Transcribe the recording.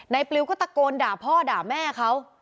ปลิวก็ตะโกนด่าพ่อด่าแม่เขา